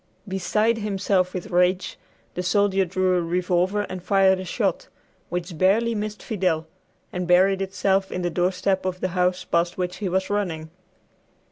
Beside himself with rage, the soldier drew a revolver and fired a shot, which barely missed Fidel, and buried itself in the doorstep of the house past which he was running.